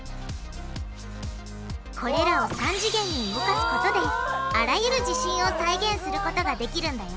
これらを３次元に動かすことであらゆる地震を再現することができるんだ